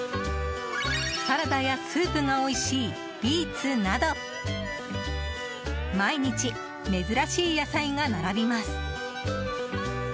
サラダやスープがおいしいビーツなど毎日、珍しい野菜が並びます。